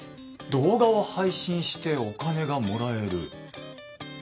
動画を配信してお金がもらえる。